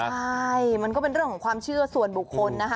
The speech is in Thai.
ใช่มันก็เป็นเรื่องของความเชื่อส่วนบุคคลนะคะ